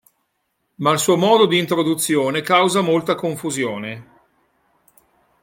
Ma il suo modo di introduzione causa molta confusione.